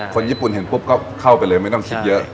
คนญี่ปุ่นเห็นปุ๊บก็เข้าไปเลยไม่ต้องคิดเยอะ